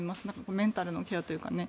メンタルのケアというかね。